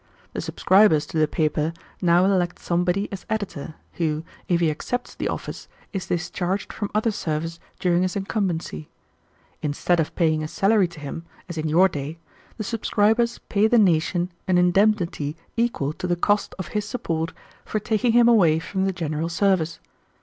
The subscribers to the paper now elect somebody as editor, who, if he accepts the office, is discharged from other service during his incumbency. Instead of paying a salary to him, as in your day, the subscribers pay the nation an indemnity equal to the cost of his support for taking him away from the general service.